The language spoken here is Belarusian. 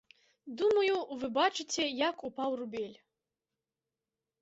Думаю, вы бачыце, як упаў рубель.